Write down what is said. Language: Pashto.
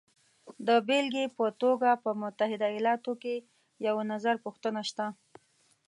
د بېلګې په توګه په متحده ایالاتو کې یو نظرپوښتنه شته